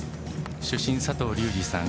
主審、佐藤隆治さん